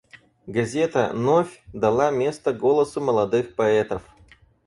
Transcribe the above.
Газета «Новь» дала место голосу молодых поэтов.